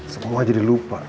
semua jadi lupa